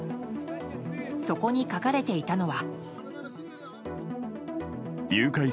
そこに書かれていたのは。